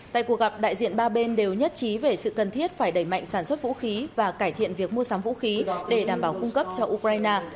tại cuộc gặp đại diện ba bên đều nhất trí về sự cần thiết phải đẩy mạnh sản xuất vũ khí và cải thiện việc mua sắm vũ khí để đảm bảo cung cấp cho ukraine